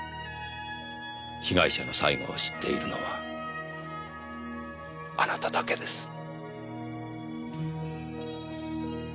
被害者の最期を知っているのはあなただけです。